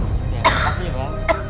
ya terima kasih ibu